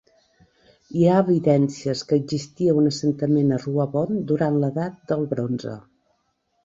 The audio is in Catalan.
Hi ha evidències que existia un assentament a Ruabon durant l'edat del bronze.